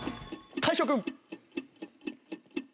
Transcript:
大昇君。